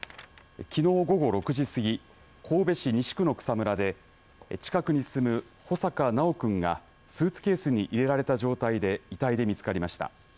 きのう午後６時過ぎ神戸市西区の草むらで近くに住む穂坂修くんがスーツケースに入れられた状態で遺体で見つかりました。